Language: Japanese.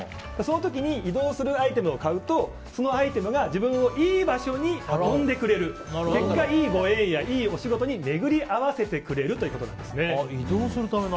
その時に、移動するアイテムを買うと、そのアイテムが自分をいい場所に運んでくれる結果、いいご縁やいいお仕事に巡り合わせてくれるということです。